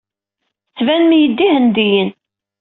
Tettbanem-iyi-d d Ihendiyen.